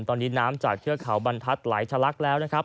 ตอนนี้น้ำจากเทือกเขาบรรทัศน์ไหลทะลักแล้วนะครับ